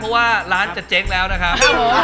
เพราะว่าร้านจะเจ๊งแล้วนะครับผม